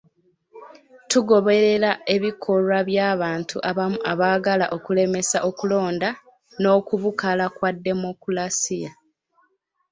Tugoberera ebikolwa by'abantu abamu abaagala okulemesa okulonda n'okubukala kwa demokulaasiya.